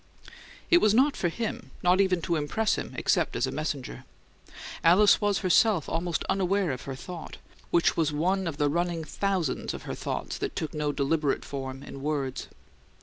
It was not for him not even to impress him, except as a messenger. Alice was herself almost unaware of her thought, which was one of the running thousands of her thoughts that took no deliberate form in words.